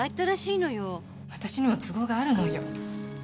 私にも都合があるのよ。